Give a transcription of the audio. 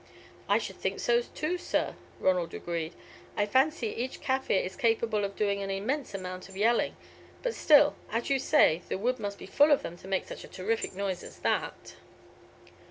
"I should think so too, sir," Ronald agreed. "I fancy each Kaffir is capable of doing an immense amount of yelling; but still, as you say, the wood must be full of them to make such a terrific noise as that."